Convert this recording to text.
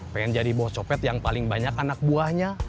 pengen jadi buah copet yang paling banyak anak buahnya